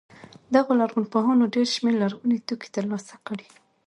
دغو لرغونپوهانو ډېر شمېر لرغوني توکي تر لاسه کړي.